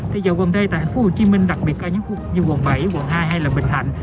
giờ gần đây tại tp hcm đặc biệt cao nhất như quận bảy quận hai hay bình thạnh